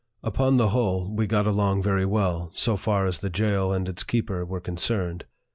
Upon the whole, we got along very well, so far as the jail and its keeper were concerned.